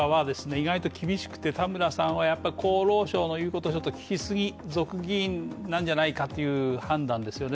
意外と厳しくて田村さんはやっぱ厚労省の言うことをちょっと聞きすぎ、族議員なんじゃないかっていう判断ですよね